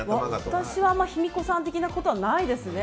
私は卑弥呼さん的なことはないですね。